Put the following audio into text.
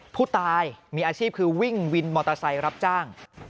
ผู้ตายมีอาชีพคือวิ่งวินมอเตอร์ไซค์รับจ้าง